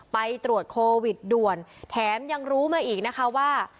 ไปตรวจโควิดด่วนแถมยังรู้มาอีกนะคะว่า